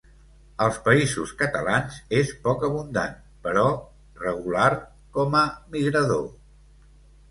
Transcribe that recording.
Als Països Catalans és poc abundant però regular com a migrador.